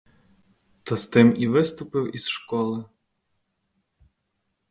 Та з тим і виступив із школи.